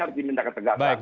harus diminta ketegasan